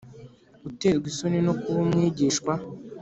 Uterwa isoni no kuba umwigishwa